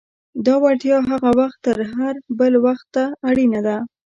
دا وړتیا هغه وخت تر هر بل وخت اړینه ده.